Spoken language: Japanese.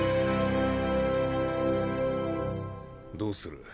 どうする。